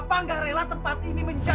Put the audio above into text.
bapak tidak rela tempat ini menjauh